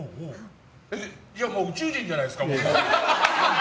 じゃあもう宇宙人じゃないですか。